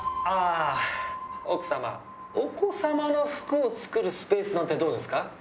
あぁ奥さまお子さまの服を作るスペースなんてどうですか？